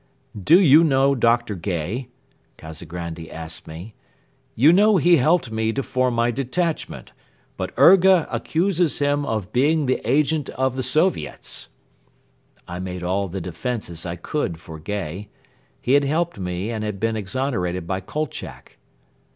"Do you know Dr. Gay?" Kazagrandi asked me. "You know he helped me to form my detachment but Urga accuses him of being the agent of the Soviets." I made all the defences I could for Gay. He had helped me and had been exonerated by Kolchak.